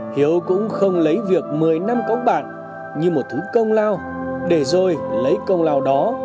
hiếu cũng không lấy việc một mươi năm có bạn như một thứ công lao để rồi lấy công lao đó